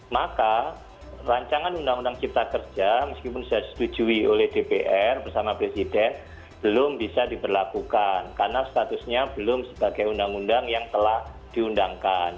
maka rancangan undang undang cipta kerja meskipun sudah disetujui oleh dpr bersama presiden belum bisa diberlakukan karena statusnya belum sebagai undang undang yang telah diundangkan